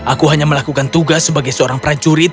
aku hanya melakukan tugas sebagai seorang prajurit